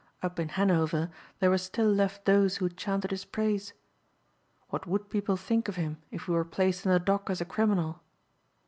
Up in Hanover there were still left those who chanted his praise. What would people think of him if he were placed in the dock as a criminal?